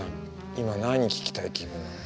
今何聴きたい気分なの？